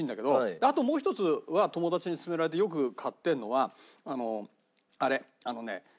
であともう一つは友達に勧められてよく買ってるのはあれ。